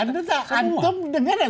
anda tak antum dengan